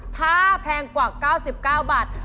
ถ้าแพงกว่า๙๙บาท